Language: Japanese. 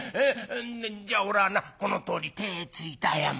じゃおらはなこのとおり手ぇついて謝るだ。